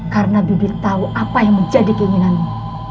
karena bibi tau apa yang menjadi keinginanmu